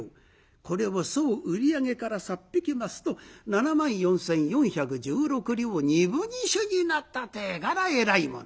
これを総売り上げからさっ引きますと７万４，４１６両２分２朱になったってえからえらいもん。